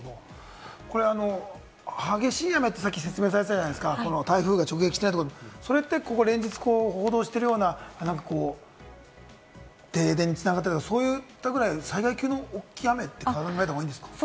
激しい雨ってさっき説明されてたじゃないですか、台風が直撃しないところも、連日報道しているような、停電に繋がったりとか、そういったぐらい災害級の大きい雨って考えた方がいいんですか？